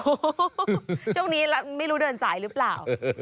โอ้โหช่วงนี้ไม่รู้เดินสายหรือเปล่า